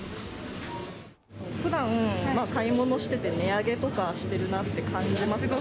ふだん、買い物してて値上げとかしてるなって感じますか？